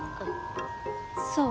そう？